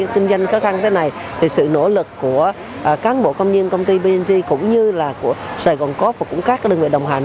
kinh doanh khó khăn thế này thì sự nỗ lực của cán bộ công nhân công ty p j cũng như là của sài gòn cố úc và cũng các đơn vị đồng hành